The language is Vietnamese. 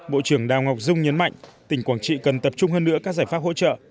bộ trưởng đào ngọc dung nhấn mạnh tỉnh quảng trị cần tập trung hơn nữa các giải pháp hỗ trợ